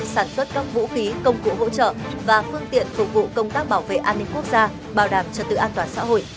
sản xuất các vũ khí công cụ hỗ trợ và phương tiện phục vụ công tác bảo vệ an ninh quốc gia bảo đảm trật tự an toàn xã hội